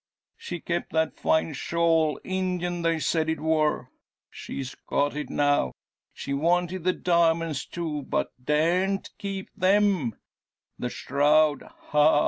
She kept that fine shawl, Indian they said it wor. She's got it now. She wanted the diamonds, too, but daren't keep them. The shroud! Ha!